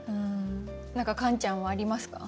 何かカンちゃんはありますか？